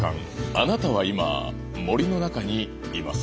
あなたは今森の中にいます。